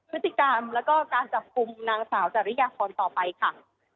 พฤติกรรมแล้วก็การจับกลุ่มนางสาวจริยาพรต่อไปค่ะ